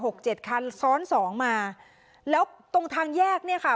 เจ็ดคันซ้อนสองมาแล้วตรงทางแยกเนี่ยค่ะ